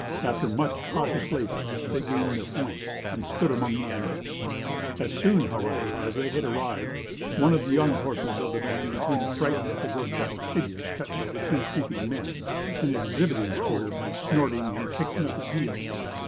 After much cautious labor they gained their point and stood among the animals. As soon, however, as they arrived, one of the young horses of the band became frightened at the grotesque figures cut by the two creeping men and exhibited his fear by snorting and kicking up his heels.